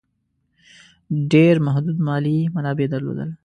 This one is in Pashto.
ډېر محدود مالي منابع درلودل.